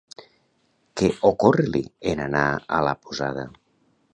Què ocórrer-li en anar a la posada?